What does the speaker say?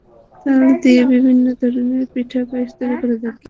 তাল দিয়ে বিভিন্ন ধরনের পিঠা-পায়েস তৈরি করা যায়।